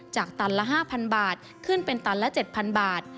ตันละ๕๐๐บาทขึ้นเป็นตันละ๗๐๐บาท